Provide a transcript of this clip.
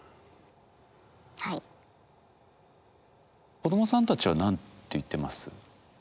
子どもさんたちは何て言ってます？